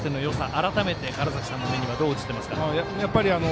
改めて、川原崎さんの目にはどう映っていますか？